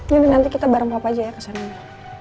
yaudah nanti kita bareng papa aja ya kesananya